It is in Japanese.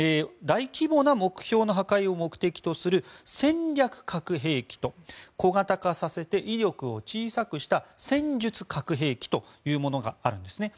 大規模な目標の破壊を目的とする戦略核兵器と小型化させて威力を小さくさせた戦術核兵器というものがあります。